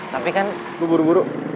tapi kan buru buru